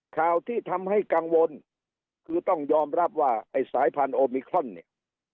ข่าวที่ทำให้กังวลคือต้องยอมรับว่าไอ้สายพันธุมิครอนเนี่ย